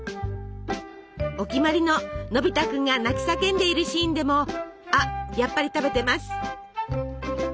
お決まりののび太君が泣き叫んでいるシーンでもあっやっぱり食べてます。